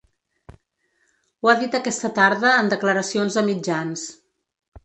Ho ha dit aquesta tarda en declaracions a mitjans.